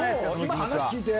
話聞いて。